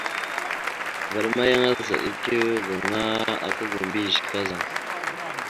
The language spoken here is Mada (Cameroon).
Vvaɗ ma yan azaɗ etew gaŋa aka ga mbiyez kazaŋ da.